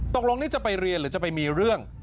ตกลงนี่จะไปเรียนหรือจะไปมีเรื่อง